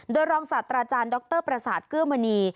โดยรองศาสตราจารย์ดรประสาทเกื้อมณี